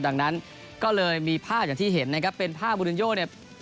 ดังนั้นก็เลยมีภาพอย่างที่เห็นนะครับเป็นภาพบูรินโยเนี่ย